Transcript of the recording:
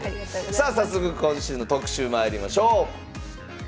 さあ早速今週の特集まいりましょう。